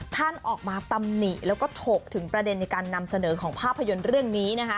ท่านออกมาตำหนิแล้วก็ถกถึงประเด็นในการนำเสนอของภาพยนตร์เรื่องนี้